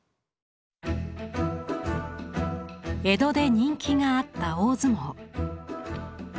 江戸で人気があった大相撲。